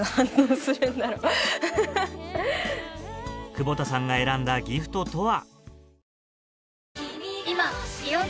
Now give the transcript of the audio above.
久保田さんが選んだギフトとは？